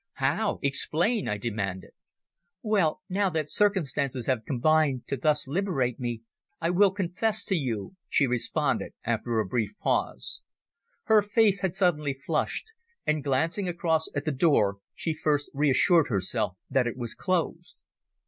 "How? Explain!" I demanded. "Well, now that circumstances have combined to thus liberate me, I will confess to you," she responded after a brief pause. Her face had suddenly flushed and glancing across at the door, she first reassured herself that it was closed.